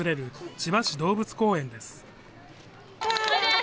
千葉市動物公園です。